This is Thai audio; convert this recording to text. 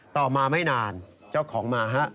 ต่อมาไม่นานเจ้าของมาฮะ